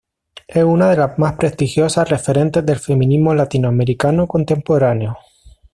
Es una de las más prestigiosas referentes del feminismo latinoamericano contemporáneo.